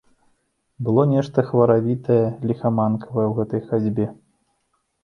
Было нешта хваравітае, ліхаманкавае ў гэтай хадзьбе.